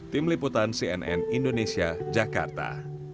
tim liputan cnn indonesia jakarta